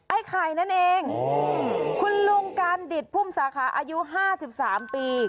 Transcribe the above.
ไอ้ไข่นั่นเองคุณลุงการดิตพุ่มสาขาอายุ๕๓ปี